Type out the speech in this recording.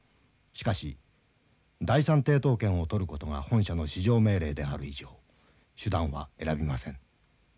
しかし第三抵当権を取ることが本社の至上命令である以上手段は選びません。